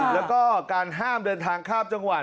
แล้วก็การห้ามเดินทางข้ามจังหวัด